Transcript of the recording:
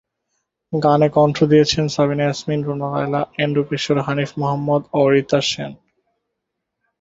গানে কণ্ঠ দিয়েছেন সাবিনা ইয়াসমিন, রুনা লায়লা, এন্ড্রু কিশোর, হানিফ মোহাম্মদ ও রীতা সেন।